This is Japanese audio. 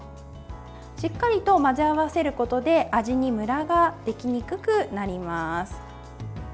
しっかりと混ぜ合わせることで味にむらができにくくなります。